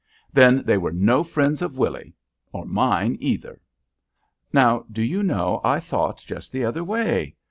"Then they were no friends of Willy's, or mine either!" "Now, do you know, I thought just the other way?